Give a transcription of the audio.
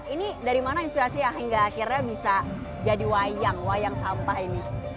ini dari mana inspirasi hingga akhirnya bisa jadi wayang wayang sampah ini